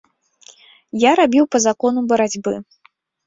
Я рабіў па закону барацьбы.